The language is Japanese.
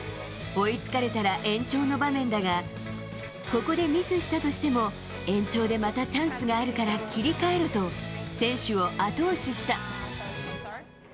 追いつかれたら延長の場面だが、ここでミスしたとしても、延長でまたチャンスがあるから切り替えろと、選手を後押しした。